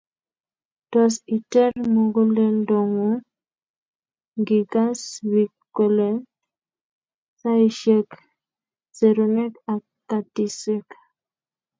Tos iter muguleldongung ngikas bik kolen saisiek, serunek ak katiswek